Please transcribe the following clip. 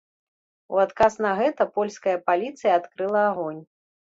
У адказ на гэта польская паліцыя адкрыла агонь.